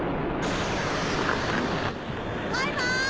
バイバイ！